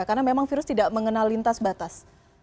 karena memang virus tidak mengenal lintas batas